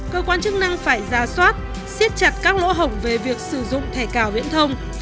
cơ quan chức năng phải ra soát siết chặt các lỗ hổng về việc sử dụng thẻ cào viễn thông